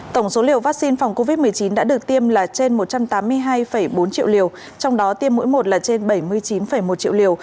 tổng số liều vaccine phòng covid một mươi chín đã được tiêm là trên một trăm tám mươi hai bốn triệu liều trong đó tiêm mỗi một là trên bảy mươi chín một triệu liều